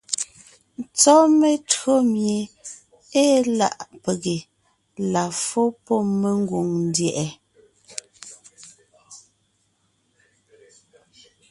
Tsɔ́ metÿǒ mie ée láʼ pege la fó pɔ́ mengwòŋ ndyɛ̀ʼɛ.